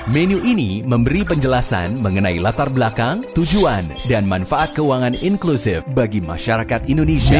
menu ini memberi penjelasan mengenai latar belakang tujuan dan manfaat keuangan inklusif bagi masyarakat indonesia